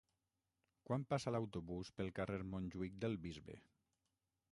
Quan passa l'autobús pel carrer Montjuïc del Bisbe?